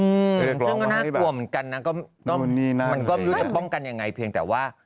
อืออืมเชื่อนก็น่ากลัวเหมือนกันนะก็ต้องมันก็ไม่รู้จะป้องกันยังไงเพียงแต่ว่า